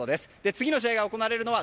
次の試合が行われるのは